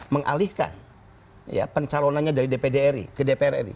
mengalihkan pencalonannya dari dpdri ke dprri